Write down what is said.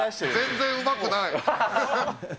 全然うまくない。